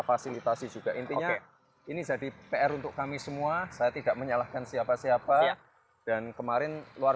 fasilitasi juga intinya ini jadi pr untuk kami semua saya tidak menyalahkan siapa siapa dan kemarin luar